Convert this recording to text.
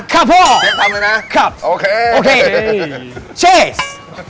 ครับพ่อโอเคโอเคเชส